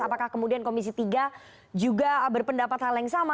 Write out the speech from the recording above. apakah kemudian komisi tiga juga berpendapat hal yang sama